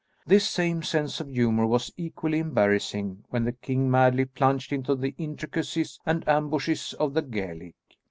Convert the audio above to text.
This same sense of humour was equally embarrassing when the king madly plunged into the intricacies and ambushes of the Gaelic.